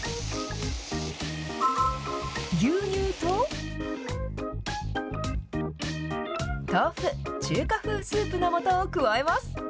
牛乳と豆腐、中華風スープのもとを加えます。